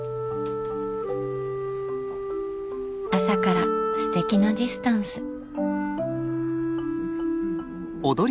朝からすてきなディスタンス。